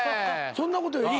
「そんなことより」